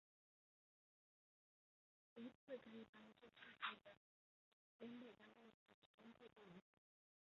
如此可以防止系统的时间被单个异常的时钟过度影响。